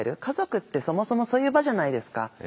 家族ってそもそもそういう場じゃないですか。